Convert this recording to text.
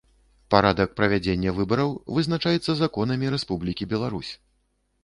Парадак правядзення выбараў вызначаецца законамі Рэспублікі Беларусь.